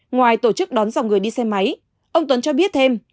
ngoài tổ chức đón dòng người đi xe máy ông tuấn cho biết thêm